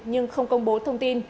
nhưng không công bố thông tin